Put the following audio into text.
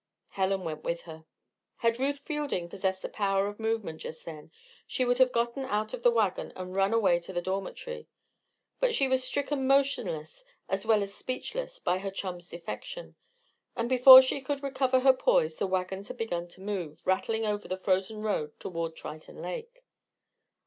Helen went with her. Had Ruth Fielding possessed the power of movement just then, she would have gotten out of the wagon and run away to the dormitory. But she was stricken motionless as well as speechless by her chum's defection, and before she could recover her poise the wagons had begun to move, rattling over the frozen road toward Triton Lake.